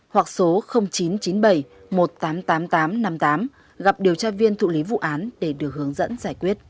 hoặc số chín trăm chín mươi bảy một trăm tám mươi tám nghìn tám trăm năm mươi tám gặp điều tra viên thụ lý vụ án để được hướng dẫn giải quyết